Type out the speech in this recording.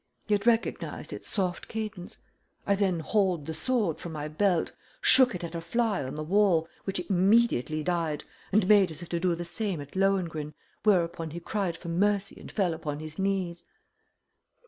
He had recognized its soft cadence. I then hauled the sword from my belt, shook it at a fly on the wall, which immediately died, and made as if to do the same at Lohengrin, whereupon he cried for mercy and fell upon his knees.